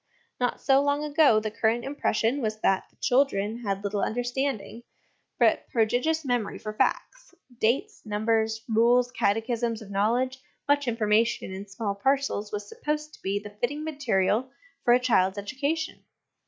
Not so long ago the current impression was that the children had little understanding, but prodigious memory for facts ; dates, numbers, rules, catechisms of knowledge, much information in small parcels, was supposed to be the fitting material for a child's education.